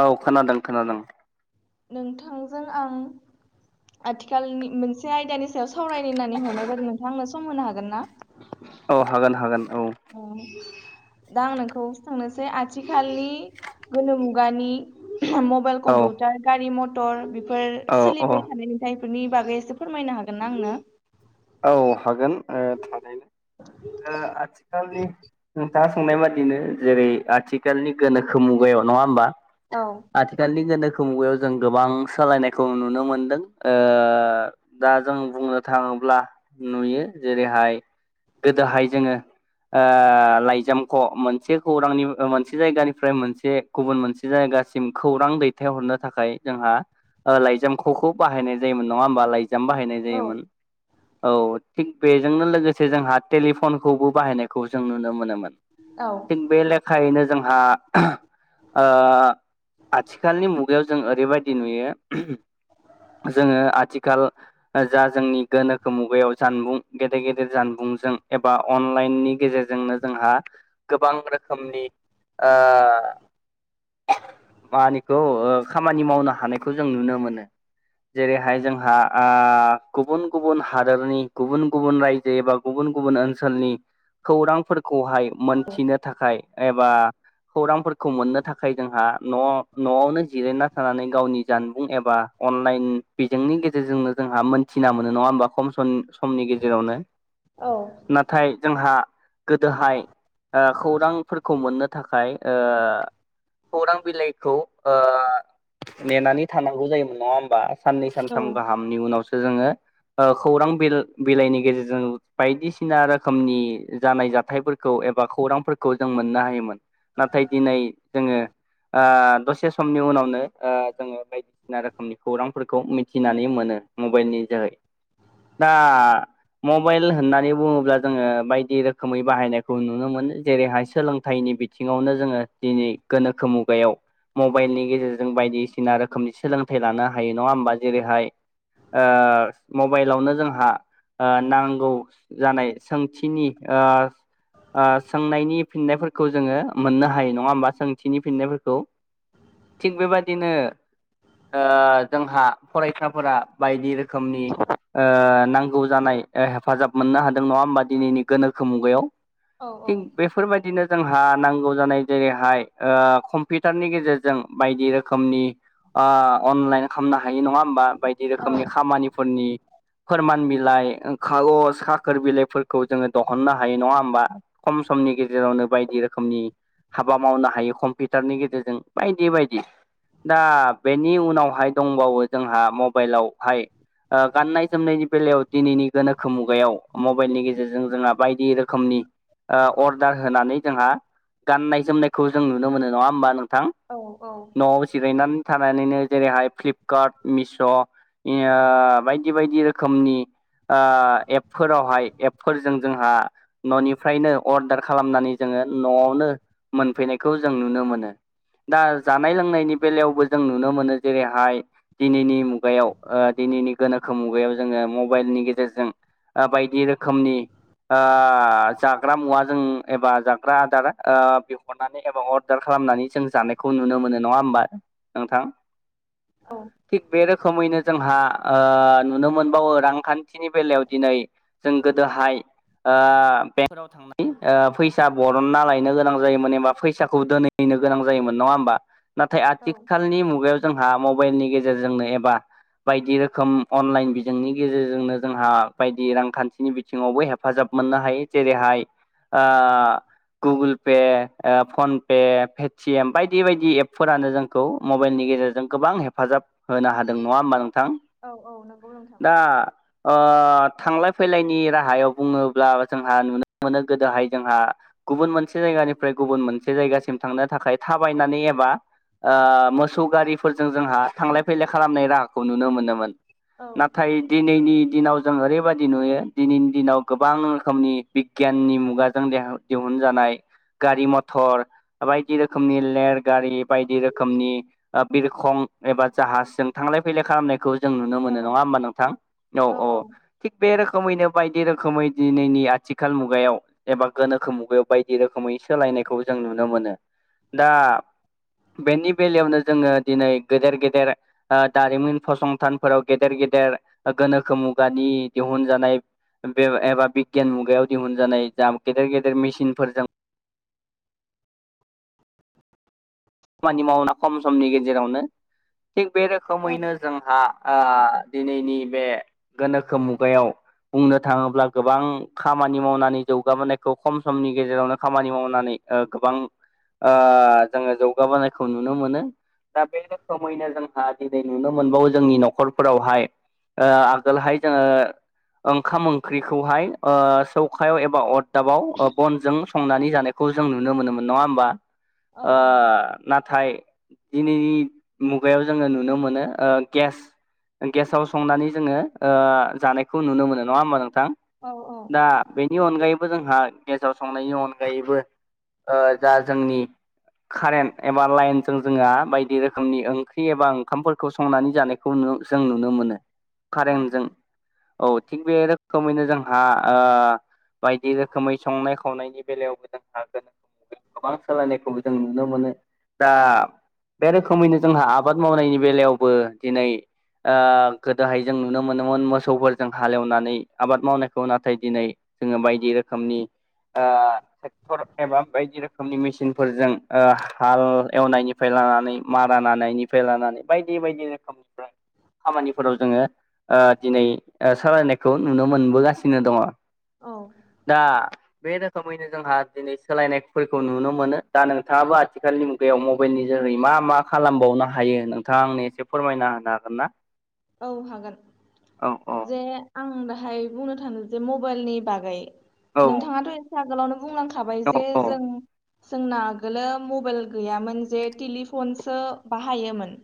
औ खोनादों खोनादों। नोंथांजों आं आथिखालनि मोनसे आयदानि सायाव सावरायनो होननानै हरनाय जादों नोंथां आंनो सम होनो हागोन ना? औ हागोन हागोन औ दा आं नोंखौ सोंनोसै आथिखालनि गोनो मुगानि मबाइल, औ कम्पिउटार, गारि मथर बेफोर औ औ सोलिबाय थानाय फोरनि बागै एसे फोरमायनो हागोन ना आंनो। औ हागोन थानायनो आथिखालनि खोथा सोंनाय बादिनो जेरै आथिखालनि गोनोखो मुगायाव नङा होमबा। औ आथिखालनि गोनो मुगायाव जों गोबां सालायनायखौ नुनो मोनदों। ओ दा जों बुंनो थाङोब्ला नुयो जेरैहाय गोदोहाय जोङो ओ लाइजामखौ मोनसे खौरांनि मोनसे जायगानिफ्राय मोनसे गुबुन मोनसे जायगा दासिम खौरां दैथाय हरनो थाखाय जोंहा ओ लाइजामखौखौ बाहायनाय जायोमोन नङा होबा लाइ जाम बाहायनाय औ जायोमोन औ थिग बेजोंनो लोगोसे जोंहा टेलिफनखौबो बाहायनायखौ जों नुनो मोनोमोन औ थिग बे लेखायैनो जोंहा ओ आथिखालनि मुगायाव जों ओरैबायदि नुयो जोङो आथिखाल जा जोंनि गोनोखो मुगायाव जानबुं गेदेर गेदेर जानबुंजों एबा अनलाइननि गेजेरजोंनो जोंहा गोबां रोखोमनि ओ मानिखौ खामानि मावनो हानायखौ जों नुनो मोनो जेरैहाय जोंहा ओ गुबुन गुबुन हादोरनि गुबुन गुबुन रायजो एबा गुबुन गुबुन ओनसोलनि खौरां फोरखौ खौहाय मोनथिनो थाखाय एबा खौरांफोरखौ मोननो थाखाय जोंहा न'आव न'आवनो जिरायना थानानै गावनि जानबुं एबा अनलाइन बिजोंनि गेजेरजोंनो जोंहा मोनथिना मोनो नङा होमबा खम सम समनि गेजेरावनो औ नाथाय जोंहा गोदोहाय ओ खौरांफोरखौ मोननो थाखाय ओ खौरां बिलाइखौ ओ नेनानै थानांगौ जायोमोन नङा होमबा साननै औ सानथाम गाहामनि उनावसो जोङो खौरां बि बिलाइनि गेजेरजों बायदिसिना रोखोमनि जानाय जाथायफोरखौ एबा खौरांफोरखौ जों मोननो हायोमोन नाथाय दिनै जोङो ओ दसे समनि उनावनो ओ जोङो बायदिसिना रोखोमनि खौरांफोरखौ मिथिनानै मोनो मबाइलनि जोहै दा मबाइल होननानै बुङोब्ला जोङो बायदि रोखोमै बाहायनायखौ नुनो मोनो जेरैहाय सोलोंथाइनि बिथिङावनो जोङो दिनै गोनोखो मुगायाव मबाइलनि गेजेरजों बायदिसिना रोखोमनि सोलोंथाइ लानो हायो नङा होमबा जेरैहाय ओ मबाइलावनो जोंहा ओ नांगौ जानाय सोंथिनि ओ ओ सोंनायनि फिन्नायफोरखौ जोङो मोननो हायो नङा होमबा सोंथिनि फिन्नायफोरखौ थिग बेबादिनो ओ जोंहा फरायसाफोरा बायदि रोखोमनि ओ नांगौ जानाय हेफाजाब मोननो हादों नङा होमबा दिनैनि गोनोखो मुगायाव औ थिग बेफोरबायदिनो जोंहा नांगौ जानाय जेरैहाय ओ कम्पिउटारनि गेजेरजों बायदि रोखोमनि ओ अनलाइन खालामनो हायो नङा होमबा बायदि रोखोमनि खामानिफोरनि फोरमान बिलाइ खागज खाखोर बिलाइफोरखौ जोङो दहननो हायो नङा होमबा खम समनि गेजेरावनो बायदि रोखोमनि हाबा मावनो हायो कम्पिउटारनि गेजेरजों बायदि बायदि दा बेनि उनावहाय दंबावो जोंहा मबाइलावहाय ओ गाननाय जोमनायनि बेलायाव दिनैनि गोनोखो मुगायाव मबाइलनि गेजेरजों जोंहा बायदि रोखोमनि ओ अर्डार होनानै जोंहा गाननाय जोमनायखौ जों नुनो मोनो नङा होमबा नों थां औ न'आव जिरायनानै थानानैनो जेरैहाय फ्लिप कार्ट मिस' बायदि बायदि रोखोमनि ओ एपफोरावहाय एपफोरजों जोंहा न'निफ्रायनो अर्डार खालामनानै जोङो नआवनो मोनफैनायखौ जों नुनो मोनो दा जानाय लोंनायनि बेलायावबो जों नुनो मोनो जेरैहाय दिनैनि मुगायाव ओ दिनैनि गोनोखो मुगायाव जोंङो मबाइलनि गेजेरजों बायदि रोखोमनि ओ जाग्रा मुवाजों एबा जाग्रा आदार ओ बिहरनानै एबा अर्डार खालामनानै खालामनानै जों जानायखौ नुनो मोनो नङा होमबा नोंथां थिग बे रोखोमैनो जोंहा ओ नुनो मोनबावो रांखान्थिनि बेलायाव दिनै जों गोदोहाय ओ बेंफोराव थांनानै ओ फैसा बरनना लायनो गोनां जायोमोन एबा फैसाखौ दोनै नो गोनां जायोन नंङा होमबा नाथाय औ आथिखालनि मुगायाव जोंहा मबाइलनि गेजेरजोंनो एबा बायदि रोखोम अनलाइन बिजोंनि गेजेरजोंनो जोंहा बायदि रांखान्थिनि बिथिङावबो हेफाजाब मोननो हायो जेरैहाय ओ गुगोल पे ओ phone Pay Pay T M बायदि बायदि एपफोरानो जोंखौ मबाइलनि गेजेरजों गोबां हेफाजाब होनो हादों नङा होमबा नोंथां औ औ नंगौ नोंथां दा ओ थांलाय फैलायनि राहायाव बुङोब्ला जोंहा नुनो मोनो गोदोहाय जोंहा गुबुन मोनसे जायगानिफ्राय गुबुन मोनसे जायगासिम थांनो थाखाय थाबायनानै एबा ओ मोसौ गारिफोरजों जोंहा थांलाय फैलाय खालामनाय राहाखौ नुनो मोनोमोन औ नाथाय दिनै दिनैनि दिनाव जों ओरैबायदि नुयो दिनैनि दिनाव गोबां रोखोमनि बिगियाननि मुगाजों देहाव दिहुनजानाय गारि मथर बायदि रोखोमनि लेर गारि बायदि रोखोमनि बिरखं एबा जाहाजजों थांलाय फैलाय खालामनायखौ जों नुनो औ मोनो नंङा होमबा नोंथां औ औ थिक बे रो खोमैनो बायदि रोखोमै दिनैनि आथिखाल मुगायाव एबा गोनोखो मुगायाव बायदि रोखोमै सोलाय नायखौ जों नुनो मोनो दा बेनि बेलायावनो जोङो दिनै गेदेर गेदेर ओ दारिमिन फसं थानफोराव गेदेर गेदेर गोनोखो मुगानि दिहुनजानाय बे एबा बिगियान मुगायाव दिहुनजानाय जा गेदेर गेदेर मेसिनफोरजों खामानि मावना खम समनि गेजेरावनो थिग बे औ रोखोमैनो जोंहा ओ दिनैनि बे गोनोखो मुगायाव बुंनो थाङोब्ला गोबां खामानि मावनानै जौगाबोनायखौ खम समनि गेजेरावनो खामानि मावनानै ओ गोबां ओ जोंङो जौगाबोनायखौ नुनो मोनो दा बे रोखोमैनो जोंहा दिनै नुनो मोनबावो जोंनि न'खरफोरावहाय ओ आगोलहाय जोंङो ओंखाम ओंख्रिखौहाय ओ सौखायाव एबा अर दाबाव बनजों संनानै जानायखौ जों नुनो मोनोमोन नङा होमबा औ औ ओ नाथाय दिनैनि मुगायाव जोंङो नुनो मोनो ओ गेस गेसाव संनानै जोंङो ओ जानायखौ नुनो मोनो नङा होमबा नों थां औ औ दा बेनि अनगायै बो जोंहा गेसाव संनायनि अनगायैबो जा जोंनि कारेन्ट एबा लाइनजों जोंहा बायदि रोखोमनि ओंख्रि एबा ओंखामफोरखौ संनानै जानायखौ जों नुनो मोनो मोनो औ कारेन्ट जों औ थिग बे रोखोमैनो जोंहा ओ बायदि रोखोमै संनाय खावनायनि बेलायावबो जोंहा गोबां सोलायनायखौबो जों नुनो मोनो दा बे रोखोमैनो जोंहा आबाद मावनायनि बेलायावबो दिनै ओ गोदोहाय जों नुनो मोनोमोन मोसौफोरजों हालेवनानै आबाद मावनायखौ नाथाय दिनै जोङो बायदि रोखोमनि ओ ट्रेक्टर एबा बायदि रोखोमनि मेसिनफोरजों ओ हाल एवनायनिफ्राय लानानै मारा नानायनिफ्राय लानानै बायदि बायदि रोखोमनिफ्राय खामानिफोराव जोंङो ओ दिनै ओ सालायनायखौ नुनो मोनबोगासिनो दङ औ दा बे रोखोमैनो जोंहा दिनै सोलायनायफोरखौ नुनो मोनो। दा नोंथाङाबो आ थिखालनि मुगायाव मबाइलनि जोहै मा मा खालामबावनो हायो नोंथाङा आंनो एसे फोरमायना होनो हागोन ना? औ हागोन। औ औ जे आं दा हाय बुंनो थाङोजे मबाइनि बागै। औ नोंथाङाथ एसे आगोलावनो बुंलांखाबाय औ जे औ जों जोंना आगोलो मबाइल गैयामोन जे टेलिफनसो बाहायोमोन।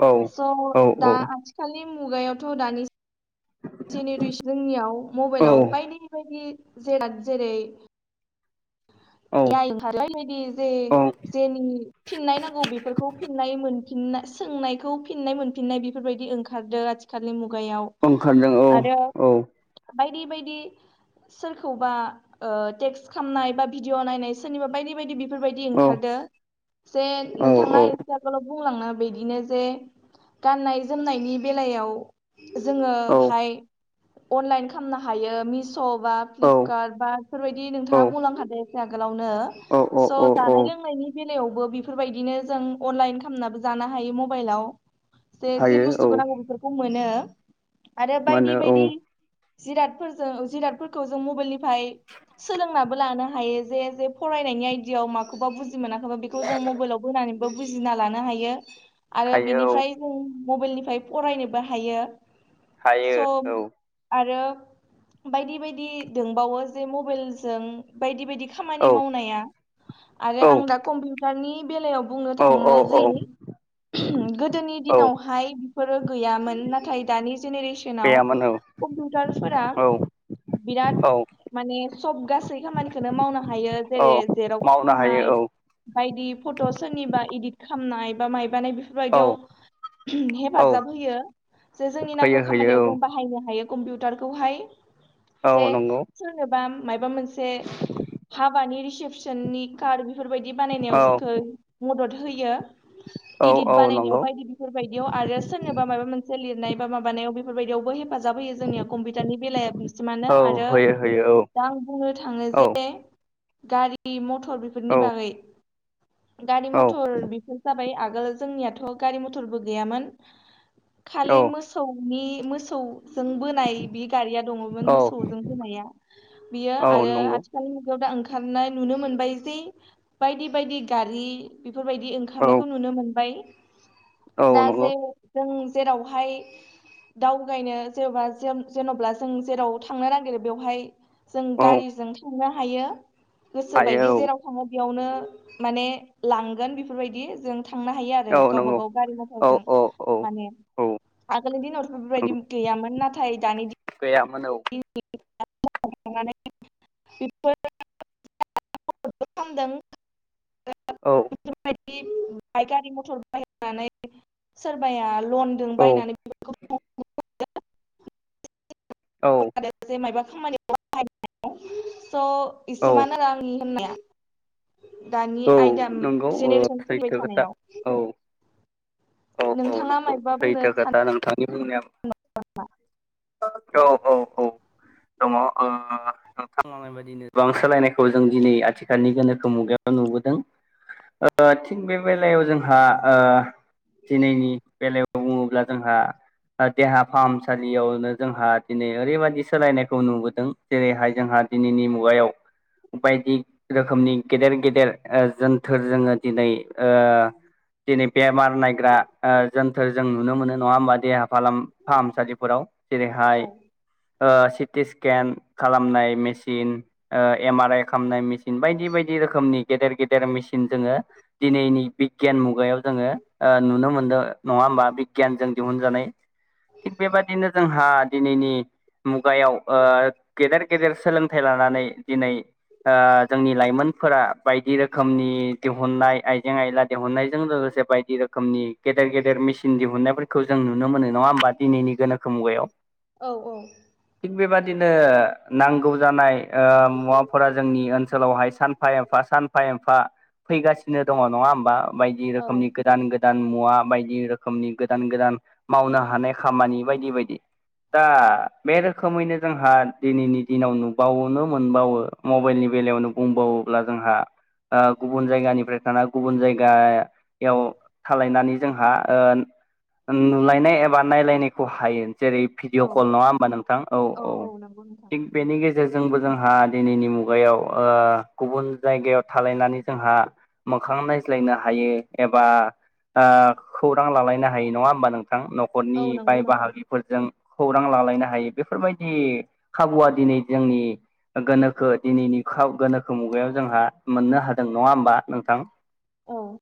औ स' औ दा दानि मुगायावथ' दानि जेनेरेसननियाव मबाइलाव औ बायदि बायदि जेराद जेरै- [inaudible] [unintelligible] बे बायदि जे औ जेनि फिननाय नांगौ बेफोरखौ फिननाय मोन सोंनायखौ फिननाय मोनफिननाय बेफोरबायदि ओंखारदों आथिखालनि मुग गायाव ओंखारदों औ आरो औ बायदि बायदि सोरखौबा ओ टेक्स खामनाय बा भिडिअ' नायनाय सोरनिबा बायदि बायदि बेफोरबायदि औ ओंखारदो, जे औ नोंथाङा औ एसे आगोलाव बुंलाङो, बिदिनो जे गाननाय जोमनायनि बेलायाव औ जोङोहाय अनलाइन खामनो हायो। मि बा फ्लिपकार्ट बा बेफोरबायदि नोंथाङा बुंलांखादो एसे आगोलाव औ औ स' औ औ जानाय लोंनायनि बे बेलायावबो बेफोरबायदिनो जों अनलाइन खालामनाबो जानो हायो मबाइलाव। जे जि हायो औ बुस्थुखौ नांगौ बेफोरखौ मोनो आरो मा बायदि होनो औ बायदि जिरादफोरजों जिरादफोरखौ जों मबाइलनि सोलोंनाबो लानो हायो जे फरायनायनि आइदियाव माखौबा बुजि मोनाखैबा बेखौ जों मबाइलाव बोनानै बुजिना लानो हायो आरो हायो औ बिनिफ्राय जों मबाइलनिफ्राय फरायनोबो हायो। हायो स' औ आरो बायदि बायदि दोंबावो जे मबाइलजों बायदि बायदि खामानि औ मावनाया आरो औ आं दा कमपिउतारनि बेलायाव बुंनो औ औ थाङो औ जि गोदोनि औ दिनावहाय बेफोरो गैयामोन, नाथाय दानि जेनेरेसनाव गैयामोन औ कम्पिउटारफोरा औ बिराद औ माने सब गासै खामानिखौनो मावनो हायो। औ जेरै- जेर'क्स मावनो हायो खामनाय औ बायदि फट' सोरनिबा इदित खामनाय, बा माइबानाय औ बेफोरबायदियाव औ हेफाजाब होयो। जे जोंनि नांगौ होयो खामानियाव होयो जों बाहायनो हायो। कम्पिउटारखौहाय औ जे नंगौ सोरनोबा मायाबा मोनसे हाबानि रिसेपसननि कार्ड बेफोरबायदि बानायनायाव औ जोंखौ मदद होयो। औ इदित औ बानायनायाव नंगौ बायदि बेफोरबायदियाव आरो सोरनोबा माबा मोनसे लिरनाय, बा माबानायाव बेफोरबायदियावबो हेफाजाब होयो। जोंनिया कम्पिउटारनि बेलाया बिसिमानो औ आरो होयो होयो दा आं बुंनो थाङो औ जे गारि मथर औ बेफोरनि बागै। गारि औ मथर बेफोर जाबाय आगोल जोंनियाथ' गारि मथरबो गैयामोन। खालि औ मोसौनि मोसौ जों बोनाय बि गारिया दङमोन मोसौजों बोनाया। बियो औ आरो नंगौ आथिखालनि ओंखारनाय नुनो मोनबाय जे बायदि बायदि गारि बेफोरबायदि औ ओंखारनायखौ नुनो मोनबाय। औ दा नंगौ जे जों जेरावहाय दावगायनो जेनेबा जेन'ब्ला जों जेराव थांनो नागिरो बेवहाय जों औ गारिजों थांनो हायो। हायो गोसोबायदि जेराव थाङो बियावनो माने लांगोन बेफोरबायदि जों थांनो हायो आरो औ गावबा नंगौ गाव गारि औ मथरजों औ औ माने औ आगोलनि दिनावथ' बेबायदि गैयामोन नाथाय दानि दिन गैयामोन औ [unintelligible] बेफोर खामदों औ बे बाइक गारि मथर बायनानै सोरबाया लनजों औ बायनानै बेफोरखौ औ [unintelligible] मबा खामानि [unintelligible] स' औ इसिमानो आरो आंनि होननाया दानि औ आयदा नंगौ जेनेरेसन फैबाय सैथो खोथा थानायाव। औ औ औ नोंथाङा नंगौ मायबा बुंनो सैथो सान खोथा नोंथांनि बुंनाया औ औ औ दङ ओ ओ नोंथां बुंनाय बादिनो गोबां सोलायनायखौ जों दिनै आथिखालनि गोनोखो मुगायाव नुबोदों ओ थिग बे बेलायाव जोंहा ओ दिनैनि बेलायाव बुङोब्ला जोंहा देहा फाहामसालियावनो जोंहा दिनै ओरैबायदि सोलायनायखौ नुबोदों जेरैहाय जोंहा दिनैनि मुगायाव बायदि रोखोमनि गेदेर गे देर जोनथोर जोङो दिनै ओ दिनै बेमार नायग्रा ओ जो ओ जों नुनो मोनो नङा होमबा देहा फालाम फाहामसालिफोराव औ जेरैहाय ओ सिटि स्केन खालामनाय मेसिन एम आर आइ खालामनाय मेसिन बायदि बायदि रोखोमनि गेदेर गेदेर मेसिन जोङो दिनैनि बिगियान मुगायाव जोङो ओ नुनो मोनदों नङा होमबा बिगियानजों दिहुनजानाय थिग बेबादिनो जोंहा दिनैनि मुगायाव ओ गेदेर गेदेर सोलोंथाइ लानानै दिनै ओ जोंनि लाइमोनफोरा बायदि रोखोमनि दिहुननाय आइजें आयला दिहुननायजों लोगोसे बायदि रोखोमनि गेदेर गेदेर मेसिन दिहुननायफोरखौ जों नुनो मोन नङा होमबा दिनैनि गोनोखो मुगायाव औ औ थिग बेबादिनो नांगौ जानाय ओ मुवाफोरा जोंनि ओनस सोलावहाय सानफा एफा सानफा एफा फैगासिनो दङ नङा होमबा बायदि औ रोखोमनि गोदान गो दान मुवा बायदि रोखोमनि गोदान गोदान मावनो हानाय खामानि बायदि बायदि दा बे रोखोमैनो जोंहा दिनैनि दिनाव नुबावोनो मोनबावो मबाइलनि बेलायावनो बुंबावोब्ला जोंहा ओ गुबुन जायगानिफ्राय थाना गुबुन जायगायाव थालायनानै जोंहा ओन ओ नुलायनाय एबा नायलायनायखौ हायो जेरै भिडिअ औ कल नङा होमबा नोंथां औ औ थिग बेनि गेजेर जोंबो जोंहा दिनैनि मुगायाव ओ गुबुन जायगायाव थालायनानै जोंहा मोखां नायज्लायनो हायो एबा ओ खौरां लालायनो हायो नङा होमबा नोंथां नखरनि औ नंगौ बाय नोंथां बाहागिफोरजों खौरां लालायनो हायो बेफोरबायदि खाबुआ दिनै जोंनि गोनोखो दिनैनि खाव गोनोखो मुगायाव जोंहा मोननो हादों नङा होमबा नोंथां औ